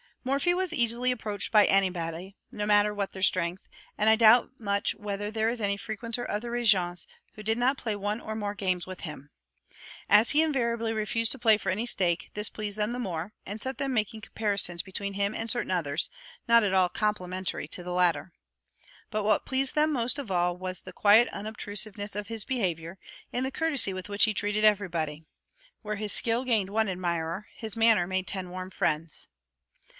Morphy was easily approached by anybody, no matter what their strength, and I doubt much whether there is any frequenter of the Régence who did not play one or more games with him. As he invariably refused to play for any stake, this pleased them the more, and set them making comparisons between him and certain others, not at all complimentary to the latter. But what pleased them most of all was the quiet unobtrusiveness of his behavior, and the courtesy with which he treated everybody. Where his skill gained one admirer, his manner made ten warm friends.